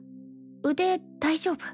腕大丈夫？